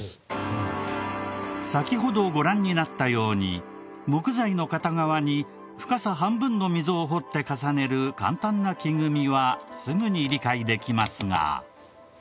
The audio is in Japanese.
先ほどご覧になったように木材の片側に深さ半分の溝を掘って重ねる簡単な木組みはすぐに理解できますが。